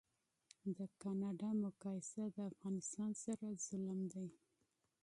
د کانادا مقایسه د افغانستان سره ظلم دی